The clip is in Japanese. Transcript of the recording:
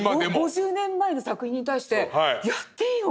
５０年前の作品に対してやっていいの？